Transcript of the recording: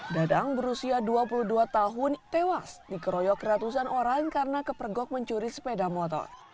dadang berusia dua puluh dua tahun tewas dikeroyok ratusan orang karena kepergok mencuri sepeda motor